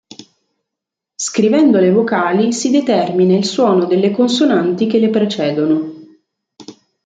Scrivendo le vocali si determina il suono delle consonanti che le precedono.